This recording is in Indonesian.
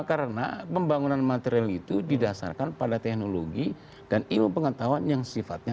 karena pembangunan material itu didasarkan pada teknologi dan ilmu pengetahuan yang sifatnya